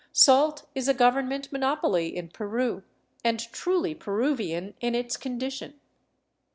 Salt is a government monopoly in Peru, and truly Peruvian in its condition.